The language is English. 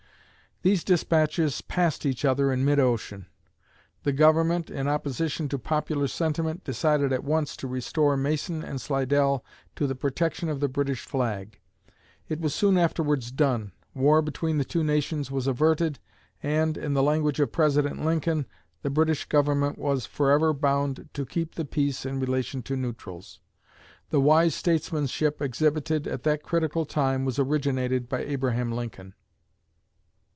These despatches passed each other in mid ocean. The Government, in opposition to popular sentiment, decided at once to restore Mason and Slidell to the protection of the British flag. It was soon afterwards done, war between the two nations was averted, and, in the language of President Lincoln, the British Government was 'forever bound to keep the peace in relation to neutrals.' The wise statesmanship exhibited at that critical time was originated by Abraham Lincoln."